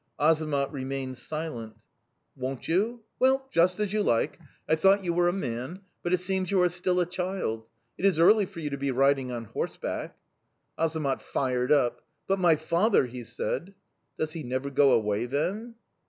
"Azamat remained silent. "'Won't you? Well, just as you like! I thought you were a man, but it seems you are still a child; it is early for you to be riding on horseback!' "Azamat fired up. "'But my father ' he said. "'Does he never go away, then?